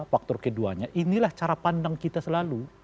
faktor keduanya inilah cara pandang kita selalu